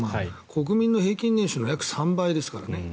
国民の平均年収の約３倍ですからですからね。